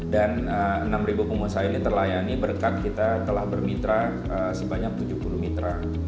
dan enam ribu pengusaha ini terlayani berkat kita telah bermitra sebanyak tujuh puluh mitra